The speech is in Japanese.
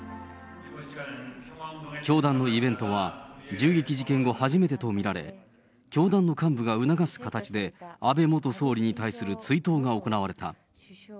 教団のイベントは、銃撃事件後初めてと見られ、教団の幹部が促す形で安倍元総理に対する追悼が行われた。